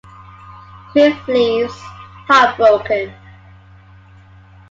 Cliff leaves, heartbroken.